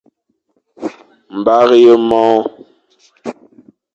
Bara ye môr.